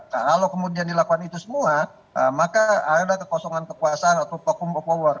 kalau kemudian dilakukan itu semua maka ada kekosongan kekuasaan atau tocuum of power